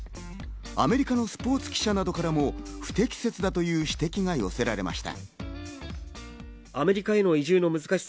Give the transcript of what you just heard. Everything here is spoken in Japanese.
アメリカのスポーツ記者などからも不適切だという指摘が寄せられました。